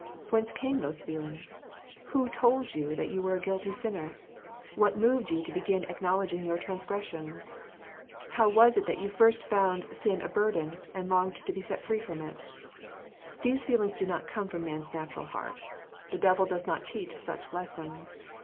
Whence came those feelings? Who told you that you were a guilty sinner ? What moved you to begin acknowledging your transgressions ? How was it that you first found sin a burden, and longed to be set free from it 1 These feelings do not come from man s natural heart. The devil does _ not teach such lessons.